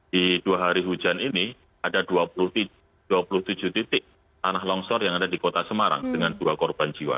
di dua hari hujan ini ada dua puluh tujuh titik tanah longsor yang ada di kota semarang dengan dua korban jiwa